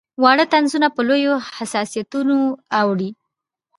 واړه طنزونه په لویو حساسیتونو اوړي.